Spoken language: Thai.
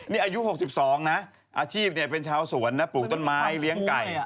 นี่อายุ๖๒นะอาชีพเป็นชาวสวนนะปลูกต้นไม้เลี้ยงไก่